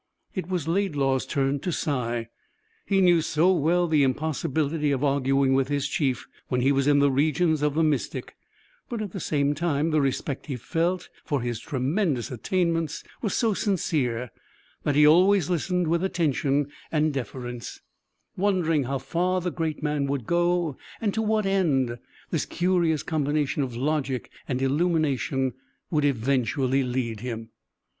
It was Laidlaw's turn to sigh. He knew so well the impossibility of arguing with his chief when he was in the regions of the mystic, but at the same time the respect he felt for his tremendous attainments was so sincere that he always listened with attention and deference, wondering how far the great man would go and to what end this curious combination of logic and "illumination" would eventually lead him.